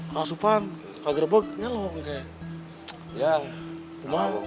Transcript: kak supan kak gerbek iya lah